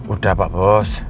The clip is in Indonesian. udah pak bos